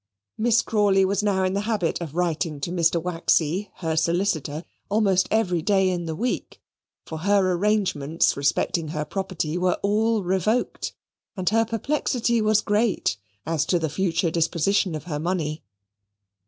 Miss Crawley was now in the habit of writing to Mr. Waxy her solicitor almost every day in the week, for her arrangements respecting her property were all revoked, and her perplexity was great as to the future disposition of her money.